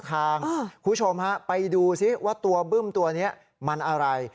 คุณผู้ชมฮะไปดูซิว่าตัวบึ้มตัวนี้มันอะไร